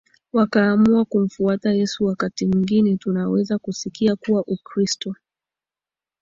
wakaamua kumfuata Yesu Wakati mwingine tunaweza kusikia kuwa Ukristo